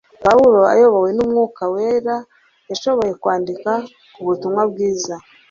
Pawulo ayobowe n'Umwuka wera yashoboye kwandika ku butumwa bwiza